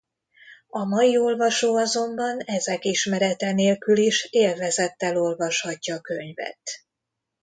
A mai olvasó azonban ezek ismerete nélkül is élvezettel olvashatja könyvet.